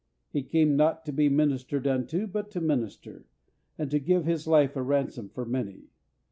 He came not to be ministered unto, but to minister, and to give His life a ransom for many.